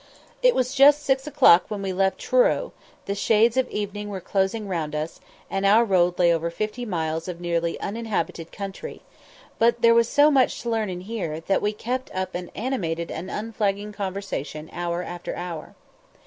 It was just six o'clock when we left Truro; the shades of evening were closing round us, and our road lay over fifty miles of nearly uninhabited country; but there was so much to learn and hear, that we kept up an animated and unflagging conversation hour after hour.